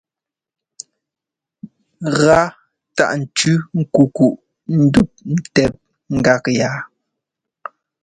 Gá tâʼ tʉ́ nkunkuʼ ndúʼ ntɛp gak yá.